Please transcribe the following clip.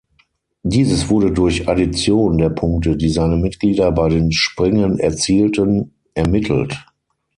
Dieses wurde durch Addition der Punkte, die seine Mitglieder bei den Springen erzielten, ermittelt.